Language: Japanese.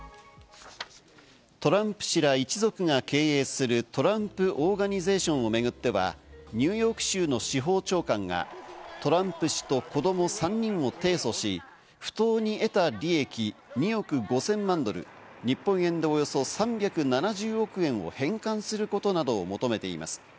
トランプ氏ら一族が経営するトランプ・オーガニゼーションを巡っては、ニューヨーク州の司法長官がトランプ氏と子ども３人を提訴し、不当に得た利益２億５０００万ドル、日本円でおよそ３７０億円を返還することなどを求めています。